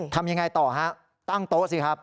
ทำยังไงต่อฮะตั้งโต๊ะสิครับ